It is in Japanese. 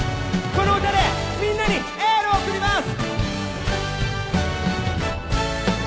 この歌でみんなにエールを送ります！